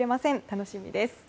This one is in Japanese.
楽しみです。